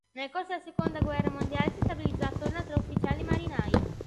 Nel corso della seconda guerra mondiale si stabilizzò attorno a tra ufficiali e marinai.